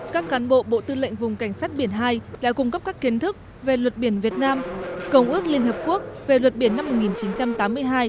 các cán bộ bộ tư lệnh vùng cảnh sát biển hai đã cung cấp các kiến thức về luật biển việt nam công ước liên hợp quốc về luật biển năm một nghìn chín trăm tám mươi hai